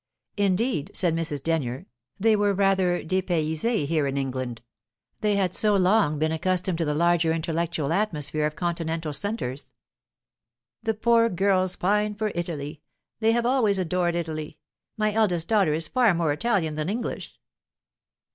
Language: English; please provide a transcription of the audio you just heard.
Indeed, said Mrs. Denyer, they were rather depaysees' here in England; they had so long been accustomed to the larger intellectual atmosphere of Continental centres. "The poor girls pine for Italy; they have always adored Italy. My eldest daughter is far more Italian than English."